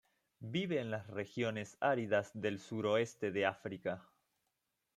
Vive en las regiones áridas del suroeste de África.